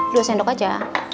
dua sendok aja